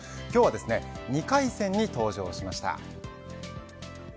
今日は２回戦に登場しました。